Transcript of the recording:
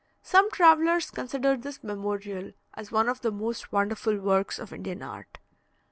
Some travellers consider this memorial as one of the most wonderful works of Indian art.